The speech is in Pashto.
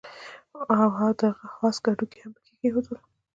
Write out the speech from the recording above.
او د هغه د آس هډوکي يې پکي کېښودل